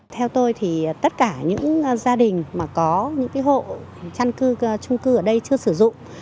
theo tôi thì tất cả những gia đình mà có những hộ chăn cư trung cư ở đây chưa sử dụng